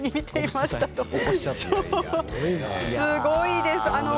すごいです。